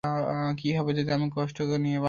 কি হবে যদি আমি কষ্ট নিয়ে বাঁচতে চাই?